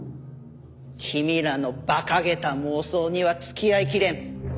君らの馬鹿げた妄想には付き合いきれん。